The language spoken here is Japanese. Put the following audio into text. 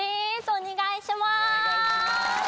お願いします